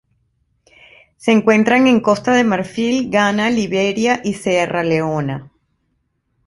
Se encuentran en Costa de Marfil, Ghana, Liberia y Sierra Leona.